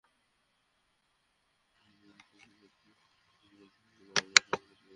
এদিকে city corporation পরিচালিত শিক্ষাপ্রতিষ্ঠানে বেতন-ফি দ্বিগুণ হারে বাড়ানোয় সমালোচিত হয়েছেন মেয়র।